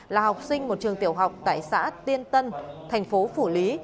là học sinh một trường tiểu học tại xã tiên tân thành phố phủ lý